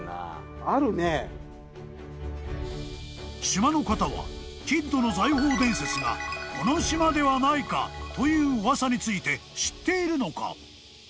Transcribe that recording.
［島の方はキッドの財宝伝説がこの島ではないかという噂について知っているのか？］